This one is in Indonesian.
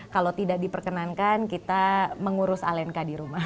kalau tidak diperkenankan kita mengurus alenka di rumah